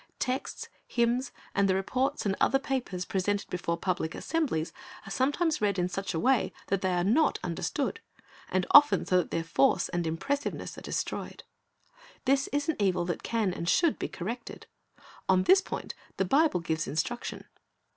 Texts, hymns, and the reports and other papers presented before public assembhes are sometimes read in such a way that they are not understood, and often so that their force and impressiveness are destroyed. This is an evil that can and should be corrected. On this point the Bible gives instruction.